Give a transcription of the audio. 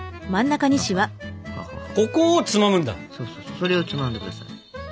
それをつまんで下さい。